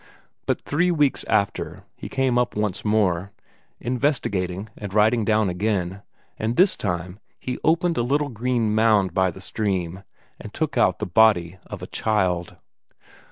But three weeks after, he came up once more, investigating and writing down again, and this time, he opened a little green mound by the stream, and took out the body of a child.